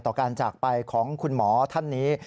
ต่อการจากไปของคุณหมอท่านนี้